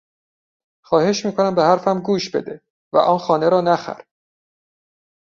خواهش میکنم به حرفم گوش بده و آن خانه را نخر.